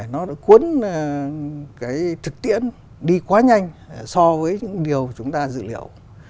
nó đã cuốn cái thực tiễn đi quá nhanh so với những điều chúng ta dự liệu